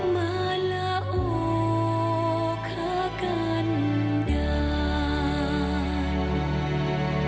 มละโอขกันดาร